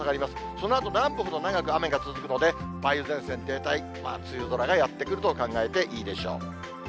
そのあと南部ほど長く雨が続くので、梅雨前線停滞、梅雨空がやって来ると考えていいでしょう。